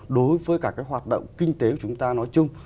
đối với cả cái hoạt động kinh tế của chúng ta nói chung